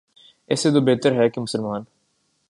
اس سے تو بہتر ہے کہ مسلمان